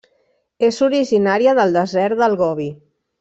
És originària del desert del Gobi.